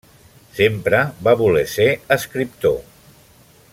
Sempre va voler ser escriptor.